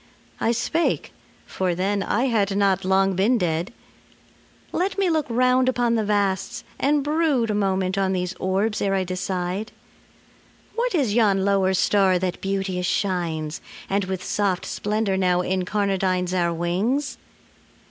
I spake for then I had not long been dead "Let me look round upon the vasts, and brood A moment on these orbs ere I decide ... What is yon lower star that beauteous shines And with soft splendor now incarnadines Our wings?